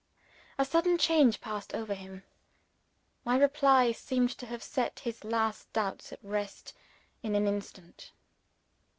A sudden change passed over him. My reply seemed to have set his last doubts at rest in an instant.